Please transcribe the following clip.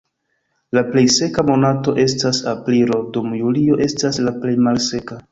La plej seka monato estas aprilo, dum julio estas la plej malseka.